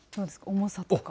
重さとか。